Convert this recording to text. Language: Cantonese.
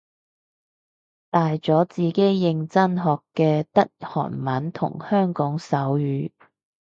大咗自己認真學嘅得韓文同香港手語